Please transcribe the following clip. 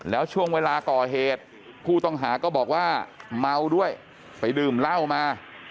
แล้วช่วงเวลาก่อเหตุผู้ต้องหาก็บอกว่าเมาด้วยไปดื่มเหล้ามา